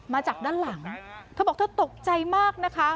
มาจากด้านหลังเธอบอกเธอตกใจมากนะคะ